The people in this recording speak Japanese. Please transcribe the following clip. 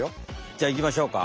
じゃいきましょうか！